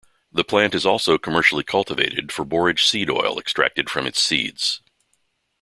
The plant is also commercially cultivated for borage seed oil extracted from its seeds.